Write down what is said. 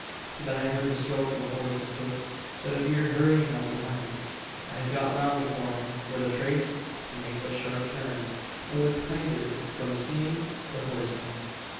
"Then I heard the stroke of a horse's hoof, that appeared hurrying up behind. "I had got round the corner where the trace makes a sharp turn and was hindered from seeing the horseman.